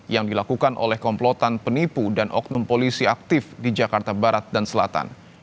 yang dilakukan oleh komplotan penipu dan oknum polisi aktif di jakarta barat dan selatan